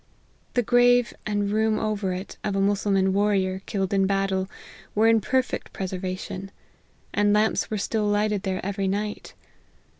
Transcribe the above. The grave, and room over it, of a Mus sulman warrior, killed in battle, were in perfect preservation ; and lamps are still lighted there every night.